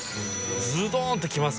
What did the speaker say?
ズドーンってきます